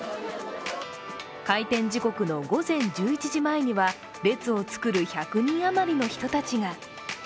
開店時刻の午前１１時前に列を作る１００人余りの人たちが。